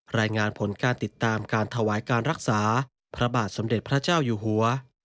รายงานผลการติดตามการถวายการรักษาพระบาทสมเด็จพระเจ้าอยู่หัว